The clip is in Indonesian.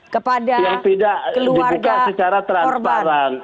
kepada keluarga korban